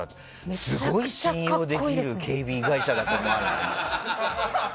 すごい信用できる警備会社だと思って。